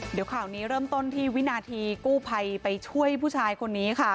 เดี๋ยวข่าวนี้เริ่มต้นที่วินาทีกู้ภัยไปช่วยผู้ชายคนนี้ค่ะ